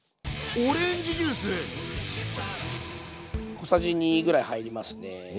小さじ２ぐらい入りますね。